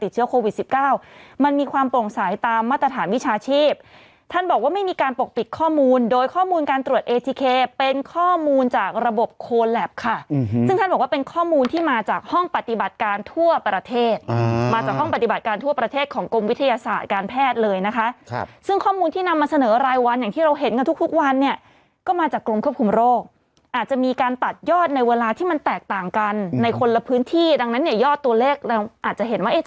ห้องปฏิบัติการทั่วประเทศอ่ามาจากห้องปฏิบัติการทั่วประเทศของกรมวิทยาศาสตร์การแพทย์เลยนะคะครับซึ่งข้อมูลที่นำมาเสนอรายวันอย่างที่เราเห็นกันทุกทุกวันเนี่ยก็มาจากกรมควบคุมโรคอาจจะมีการตัดยอดในเวลาที่มันแตกต่างกันในคนละพื้นที่ดังนั้นเนี่ยยอดตัวเลขเราอาจจะเห็นว่าเอ๊